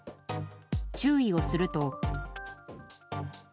注意をすると。